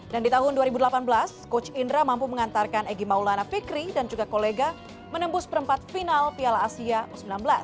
dan di tahun dua ribu delapan belas coach indra mampu mengantarkan egy maulana fikri dan juga kolega menembus perempat final piala asia u sembilan belas